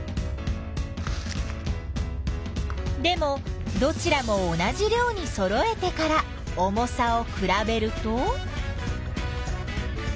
でもどちらも同じ量にそろえてから重さをくらべると？